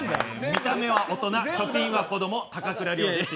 見た目は大人貯金は子供高倉陵です